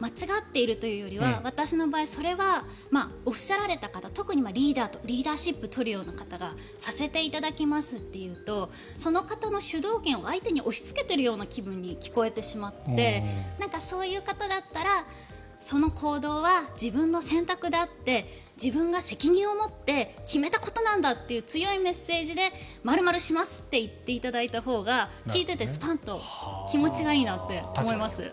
間違っているというよりは私は、それはおっしゃられた方特にリーダーシップを取るような方がさせていただきますと言うとその方の主導権を相手に押しつけてるような気分に聞こえてしまってそういう方だったらその行動は自分の選択であって自分が責任を持って決めたことなんだって強いメッセージで○○しますって言っていただいたほうが聞いていて、スパンと気持ちがいいなと思います。